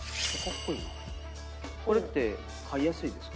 これって飼いやすいですか？